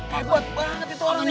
wah hebat banget itu orang